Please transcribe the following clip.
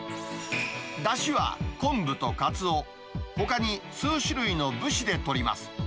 だしは昆布とカツオ、ほかに数種類の節で取ります。